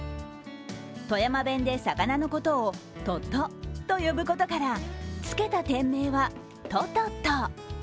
富山弁で魚のことをトトと呼ぶことからつけた店名はｔｏｔｏｔｏ。